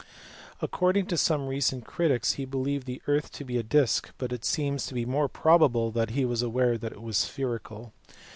According to some recent critics he believed the earth to be a disc, but it seems to be more probable that he was aware that it was spherical.